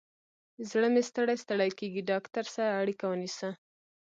زړه مې ستړی ستړي کیږي، ډاکتر سره اړیکه ونیسه